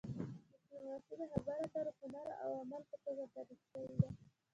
ډیپلوماسي د خبرو اترو هنر او عمل په توګه تعریف شوې ده